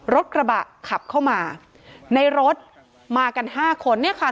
รถกระบะขับเข้ามาในรถมากันห้าคนเนี่ยค่ะ